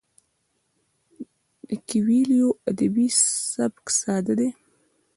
د کویلیو ادبي سبک ساده دی.